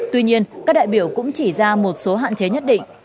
tuy nhiên các đại biểu cũng chỉ ra một số hạn chế nhất định